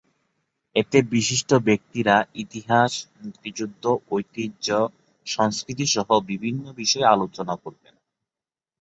এতে বিশিষ্ট ব্যক্তিরা ইতিহাস, মুক্তিযুদ্ধ, ঐতিহ্য, সংস্কৃতিসহ বিভিন্ন বিষয়ে আলোচনা করবেন।